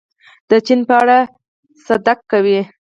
د چین په اړه صدق کوي.